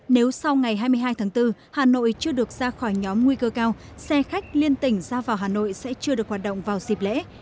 nếu sau ngày hai mươi hai tháng bốn hà nội chưa được ra khỏi nhóm nguy cơ cao xe khách liên tỉnh ra vào hà nội sẽ chưa được hoạt động vào dịp lễ